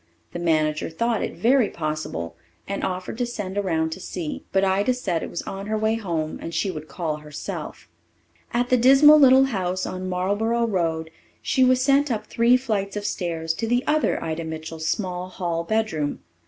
The manager thought it very possible, and offered to send around and see. But Ida said it was on her way home and she would call herself. At the dismal little house on Marlboro Road she was sent up three flights of stairs to the other Ida Mitchell's small hall bedroom.